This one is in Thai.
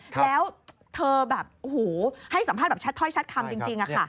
แล้วเธอแบบหูให้สัมภาษณ์แบบชัดค่อยคำจริงค่ะ